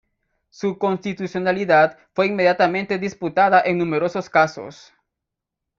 Su constitucionalidad fue inmediatamente disputada en numerosos casos.